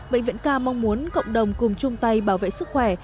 bệnh viện ca mong muốn cộng đồng cùng chung tay bảo vệ sức khỏe